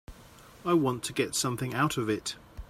I want to get something out of it.